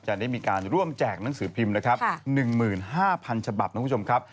จะได้มีการร่วมแจกหนังสือพิมพ์๑๕๐๐๐ฉบับ